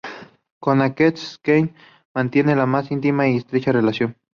Con Naked Snake mantiene la más íntima y estrecha relación.